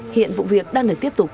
hiện vụ việc đang được tiếp tục